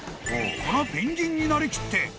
［このペンギンになりきって］